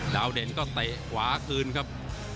เด่นก็เตะขวาคืนครับ